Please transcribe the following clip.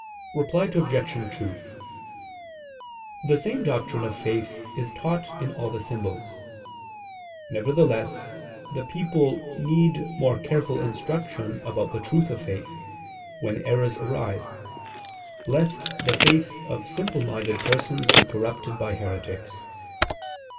Reply Obj. 2: The same doctrine of faith is taught in all the symbols. Nevertheless, the people need more careful instruction about the truth of faith, when errors arise, lest the faith of simple minded persons be corrupted by heretics.